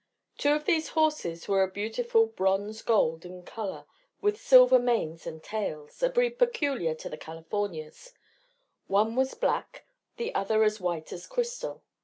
Two of these horses were a beautiful bronze gold in colour, with silver manes and tails, a breed peculiar to the Californias; one was black, the other as white as crystal.